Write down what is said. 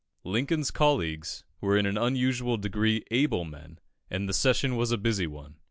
Lincoln's colleagues were in an unusual degree able men, and the session was a busy one.